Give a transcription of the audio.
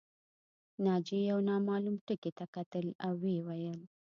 ناجیې یو نامعلوم ټکي ته کتل او ویې ویل